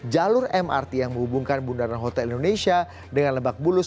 jalur mrt yang menghubungkan bundaran hotel indonesia dengan lebak bulus